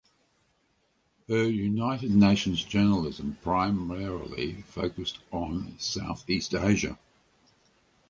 Her United Nations journalism primarily focused on Southeast Asia.